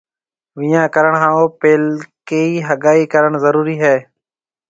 ويهان ڪرڻ هارون پيلڪِي هگائي ڪرڻ ضرُورِي هيَ۔